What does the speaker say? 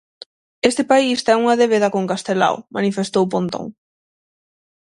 Este país ten unha débeda con Castelao, manifestou Pontón.